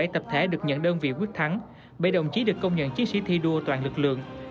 năm mươi bảy tập thể được nhận đơn vị quyết thắng bảy đồng chí được công nhận chiếc sĩ thi đua toàn lực lượng